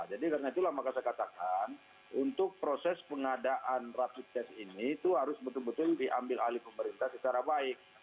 jadi karena itulah maka saya katakan untuk proses pengadaan rapid test ini itu harus betul betul diambil ahli pemerintah secara baik